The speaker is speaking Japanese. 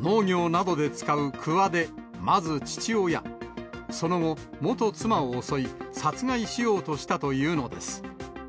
農業などで使うくわで、まず父親、その後、元妻を襲い、殺害しようとしたというのです。